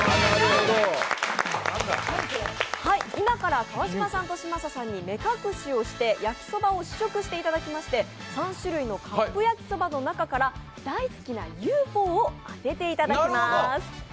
今から川島さんと嶋佐さんに目隠しをして焼きそばを試食していただきまして３種類のカップ焼きそばから大好きなＵ．Ｆ．Ｏを当てていただきます。